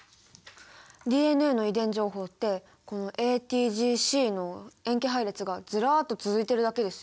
ＤＮＡの遺伝情報ってこのＡＴＧＣの塩基配列がずらっと続いてるだけですよ。